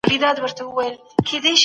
څېړنه باید په ساده ژبه وړاندې سي.